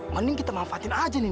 mending kita manfaatin aja nih